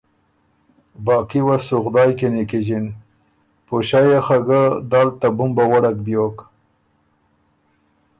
باقي وه سو خدایٛ کی نیکیݫِن۔ پُݭئ يې خه ګه دل ته بُمبه وړک بیوک،